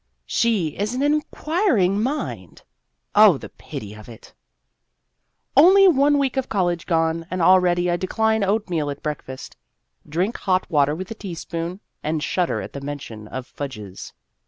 she is an Inquiring Mind! Oh, the pity of it ! Only one week of college gone, and already I decline oatmeal at breakfast, drink hot water with a teaspoon, and shudder at the mention of fudges.